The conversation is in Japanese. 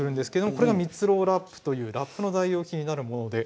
これが蜜ろうラップというラップの代用品になるものです。